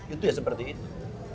itu ya seperti itu